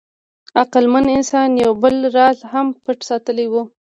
عقلمن انسان یو بل راز هم پټ ساتلی و.